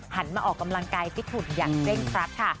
มาออกกำลังกายฟิตหุ่นอย่างเร่งครัดค่ะ